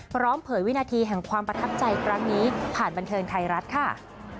เผยวินาทีแห่งความประทับใจครั้งนี้ผ่านบันเทิงไทยรัฐค่ะ